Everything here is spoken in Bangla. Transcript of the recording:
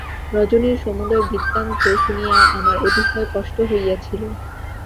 রজনীর সমুদয় বৃত্তান্ত শুনিয়া আমার অতিশয় কষ্ট হইয়াছিল।